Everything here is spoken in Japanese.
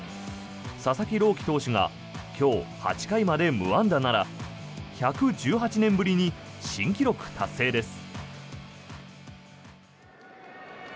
佐々木朗希投手が今日８回まで無安打なら１１８年ぶりに新記録達成です。